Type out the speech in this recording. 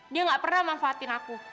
dia gak pernah manfaatin aku